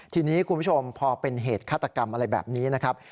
ทีนี้คุณผู้ชมพอเป็นเหตุฆาตกรรมอะไรแบบนี้นะครับ